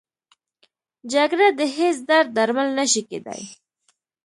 جګړه د هېڅ درد درمل نه شي کېدی